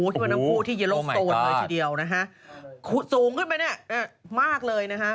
ที่มันทั้งคู่ที่เยโลกโซนเลยทีเดียวนะฮะสูงขึ้นไปเนี่ยมากเลยนะฮะ